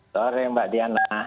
sore mbak diana